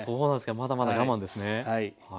まだまだ我慢ですね。